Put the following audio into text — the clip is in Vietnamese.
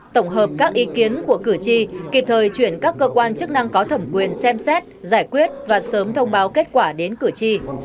tổng hợp các ý kiến của cử tri kịp thời chuyển các cơ quan chức năng có thẩm quyền xem xét giải quyết và sớm thông báo kết quả đến cử tri